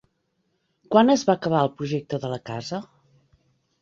Quan es va acabar el projecte de la casa?